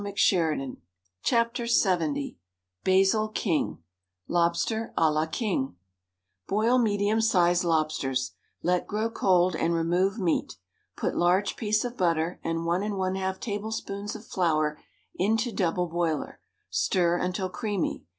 WRITTEN FOR MEN BY MEN LXX Basil King LOBSTER A LA KING Boll medium sized lobsters. Let grow cold and remove meat. Put large piece of butter and one and one half tablespoons of flour into double boiler. Stir until creamy.